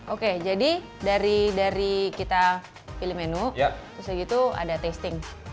oke jadi dari kita pilih menu terus segitu ada tasting